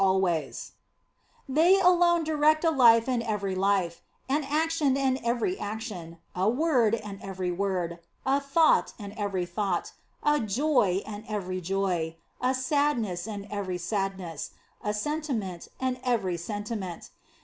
76 The Sign of the Cross They alone direct a life and every life, an action and every action, a word and every word, a thought and every thought, a joy and every joy, a sadness and every sadness, a sentiment and every sentiment.